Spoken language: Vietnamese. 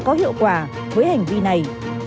có hiệu quả với hành vi này